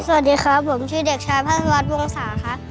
สวัสดีครับผมชื่อเด็กชายพระศาวัฒน์วงศาครับ